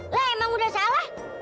lah emang udah salah